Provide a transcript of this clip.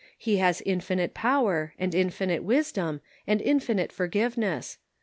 He has infinite power, and infinite wisdom, and infinite forgiveness.